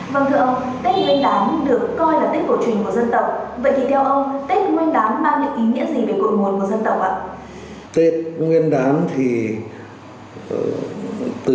vâng thưa ông tết nguyên đán được coi là tết cổ trình của dân tộc